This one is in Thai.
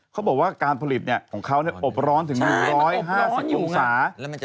เค้าบอกว่าการผลิตเนี่ยของเค้าเนี่ยอบร้อนถึง๑๕๐อุตสาห์